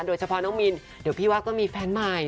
โดยเฉพาะน้องมิลเดี๋ยวพิวาก็มีแฟนมาย